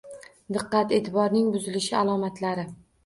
Diqqat-eʼtiborning buzilishi alomatlari.